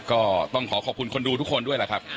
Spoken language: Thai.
ก็ต้องขอขอบคุณคนดูทุกคนด้วยแหละครับ